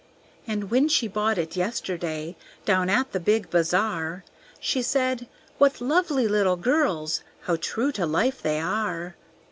And when she bought it yesterday, Down at the big bazaar, She said, "What lovely little girls, How true to life they are."